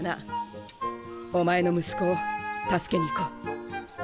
お前の息子を助けに行こう。